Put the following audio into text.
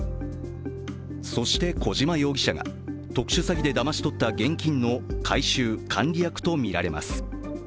そして、小島容疑者が特殊詐欺でだまし取った現金の回収・管理役とみられます。